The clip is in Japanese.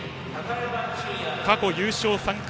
野は過去優勝３回。